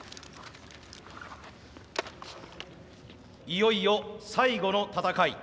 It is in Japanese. いよいよ最後の戦い。